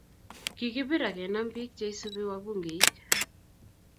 kikibir akenam biik che isubi Wabungeik.